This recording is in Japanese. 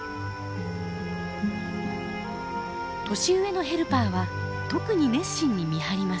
年上のヘルパーは特に熱心に見張ります。